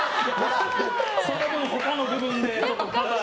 その分、他の部分で。